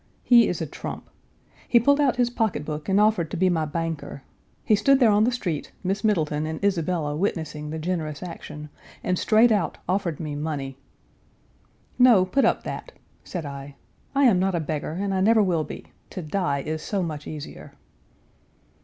He is a trump. He pulled out his pocket book and offered to be my banker. He stood there on the street, Miss Middleton and Isabella witnessing the generous action, and straight out offered me money. "No, put up that," said I. "I am not a beggar, and I never will be; to die is so much easier."